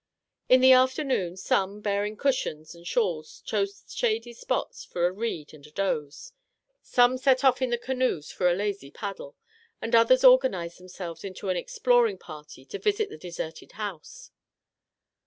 In the afternoon some, bearing cushions and shawls, chose shady spots for a read and a doze ; some set off in the canoes for a lazy paddle ; and others organized themselves into an exploring party to visit the deserted house.